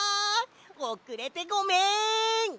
おくれてごめん！